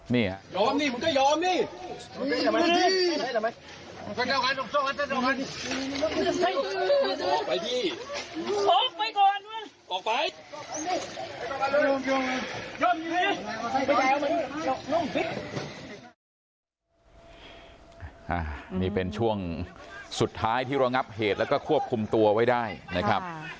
นี่เป็นช่วงสุดท้ายที่ระงับเหตุแล้วก็ควบคุมตัวไว้ได้นะครับ